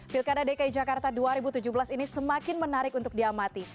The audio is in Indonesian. pilkada dki jakarta dua ribu tujuh belas ini semakin menarik untuk diamati